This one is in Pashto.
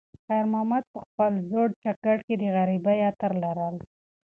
خیر محمد په خپل زوړ جاکټ کې د غریبۍ عطر لرل.